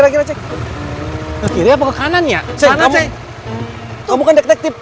sampai jumpa lagi